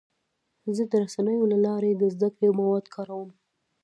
زه د رسنیو له لارې د زده کړې مواد کاروم.